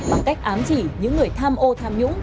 bằng cách ám chỉ những người tham ô tham nhũng